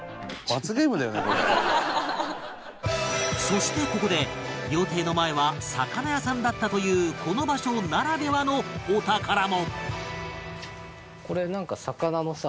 そしてここで料亭の前は魚屋さんだったというこの場所ならではのお宝も